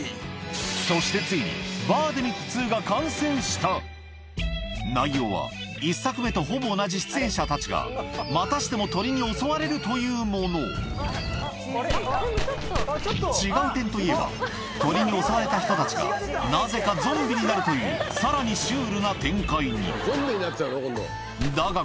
そしてついに内容は１作目とほぼ同じ出演者たちがまたしても鳥に襲われるというもの違う点といえば鳥に襲われた人たちがなぜかゾンビになるというさらにシュールな展開にだが